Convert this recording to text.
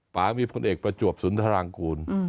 ป่ามีผลเอกประจวบสุนทรางกูล